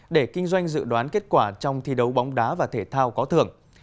để kinh doanh dự đoán kết quả trong thi đấu bóng đá và thể thao có thưởng